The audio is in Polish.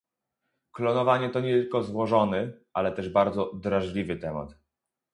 Klonowanie to nie tylko złożony, ale też bardzo drażliwy temat